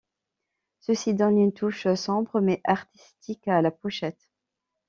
Ceci donne une touche sombre mais artistique à la pochette.